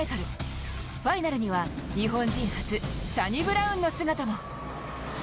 ファイナルには日本人初、サニブラウンの姿も。